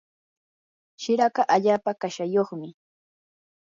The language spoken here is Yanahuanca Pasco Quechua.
shiraka allaapa kashayuqmi.